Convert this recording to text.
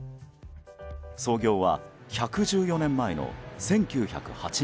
創業は１１４年前の１９０８年。